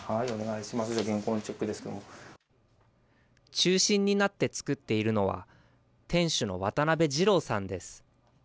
中心になって作っているのは、店主の渡辺次朗さんです。